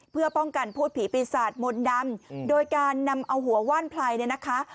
เพื่อป้องกันพูดผีปีศาจมนต์ดำโดยการนำเอาหัวว่านไพรเนี่ยนะคะ